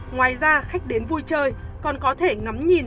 ngoài ra khách đến vui chơi còn có thể ngắm nhìn